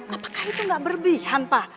apakah itu enggak berbihan pa